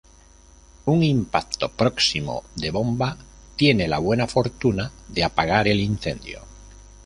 Un impacto próximo de bomba tiene la buena fortuna de apagar el incendio.